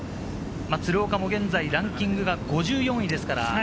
鶴岡も現在ランキングが５４位ですから。